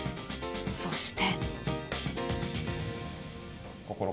そして。